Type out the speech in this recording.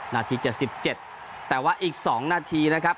นาทีจะสิบเจ็ดแต่ว่าอีกสองนาทีนะครับ